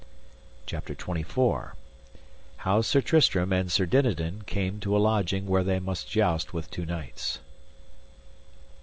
CHAPTER XXIII. How Sir Tristram and Sir Dinadan came to a lodging where they must joust with two knights.